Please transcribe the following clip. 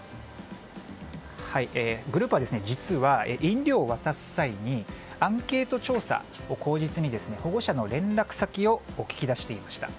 グループは実は飲料を渡す際にアンケート調査を口実に保護者の連絡先を聞き出していました。